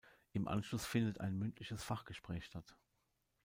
Im Anschluss findet ein mündliches Fachgespräch statt.